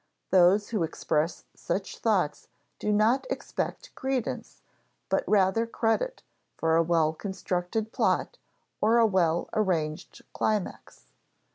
Those who express such thoughts do not expect credence, but rather credit for a well constructed plot or a well arranged climax.